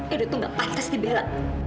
edo tuh nggak patut dibela